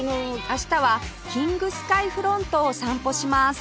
明日はキングスカイフロントを散歩します